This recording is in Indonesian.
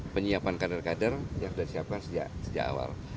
penyiapan kader kader yang sudah disiapkan sejak awal